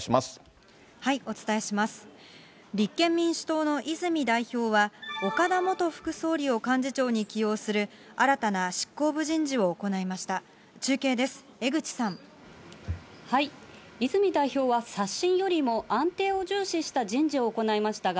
立憲民主党の泉代表は、岡田元副総理を幹事長に起用する、新たな執行部人事を行いました。